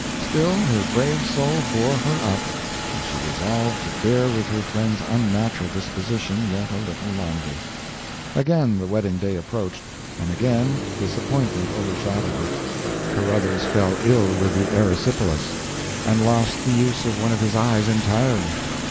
Still, her brave soul bore her up, and she resolved to bear with her friend's unnatural disposition yet a little longer. Again the wedding day approached, and again disappointment overshadowed it; Caruthers fell ill with the erysipelas, and lost the use of one of his eyes entirely.